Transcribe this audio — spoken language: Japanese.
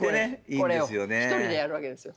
これをひとりでやるわけですよ。